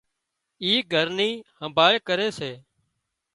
اي گھر نين همڀاۯ ڪري سي